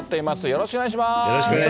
よろしくお願いします。